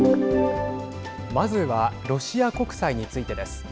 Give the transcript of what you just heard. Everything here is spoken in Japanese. まずはロシア国債についてです。